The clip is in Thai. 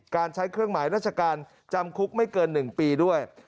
การใช้เครื่องหมายราชการจำคุกไม่เกิน๑ปีด้วย